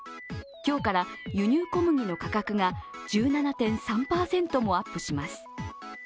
今日から輸入小麦の価格が１７．３％もアップします。